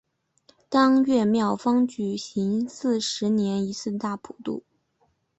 当月庙方举行四十年一次的大普度。